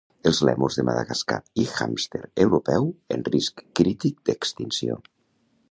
Els lèmurs de Madagascar i hàmster europeu en risc crític d'extinció